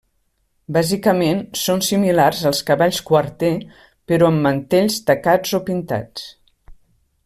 Bàsicament, són similars als cavalls Quarter, però amb mantells tacats o pintats.